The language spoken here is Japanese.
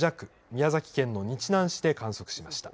宮崎県の日南市で観測しました。